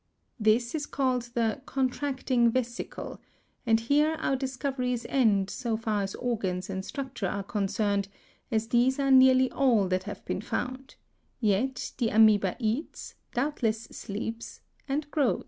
This is called the contracting vesicle, and here our discoveries end, so far as organs and structure are concerned, as these are nearly all that have been found; yet the Amœba eats, doubtless sleeps, and grows.